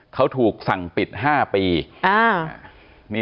เขาถูกสั่งปิด๕ปี